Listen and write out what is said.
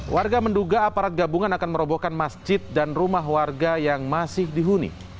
warga menduga aparat gabungan akan merobohkan masjid dan rumah warga yang masih dihuni